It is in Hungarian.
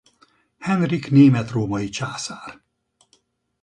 Henrik német-római császár.